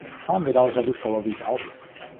Sám vydal řadu sólových alb.